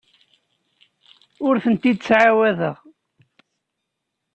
Ur tent-id-ttɛawadeɣ.